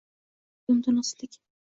Qog‘ozdagi mutanosiblik?